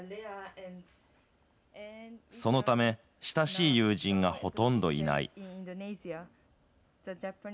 そのため、親しい友人がほとんどいない。